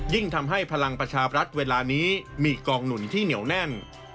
ยิ่งทำให้พลังประชาบรัฐเวลานี้มีกองหนุนที่เหนียวแน่น